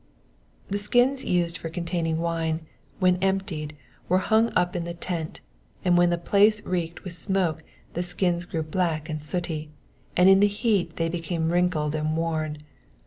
''^ The skins used for con taining wine, when emptied, were hung up in the tent, and when the place reeked with smoke the skins grew black and sooty, and in the heat they became wrinkled and worn.